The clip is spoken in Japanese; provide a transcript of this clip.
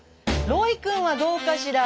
ロイ君はどうかしら？